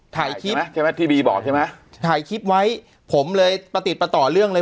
ถ่ายคลิปใช่ไหมที่บีบอกใช่ไหมถ่ายคลิปไว้ผมเลยประติดประต่อเรื่องเลย